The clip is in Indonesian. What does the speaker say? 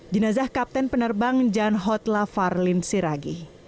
jenazah kapten penerbang jan hotla farlin siragih